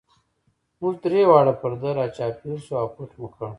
موږ درې واړه پر ده را چاپېر شو او پټ مو کړ.